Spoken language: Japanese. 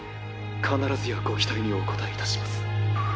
必ずやご期待にお応え致します。